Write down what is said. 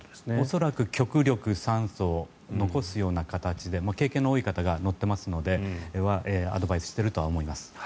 恐らく極力、酸素を残すような形で経験の多い方が乗っていますのでアドバイスしているとは思います。